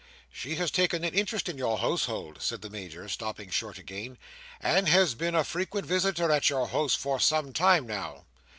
"She has taken an interest in your household," said the Major, stopping short again, "and has been a frequent visitor at your house for some time now."